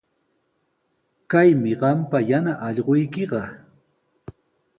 Kaymi qampa yana allquykiqa.